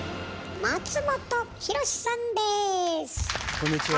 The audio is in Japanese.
こんにちは。